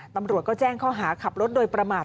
ตำรวจก็แจ้งข้อหาขับรถโดยประมาท